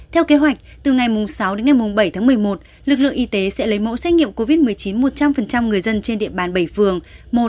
theo kế hoạch từ ngày sáu bảy một mươi một lực lượng y tế sẽ lấy mẫu xét nghiệm covid một mươi chín một trăm linh người dân trên địa bàn bảy phường một hai ba bốn năm tám chín